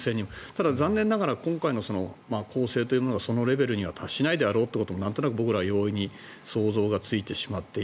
ただ、残念ながら今回の攻勢がそのレベルには達しないであろうということは容易に想像がついてしまうと。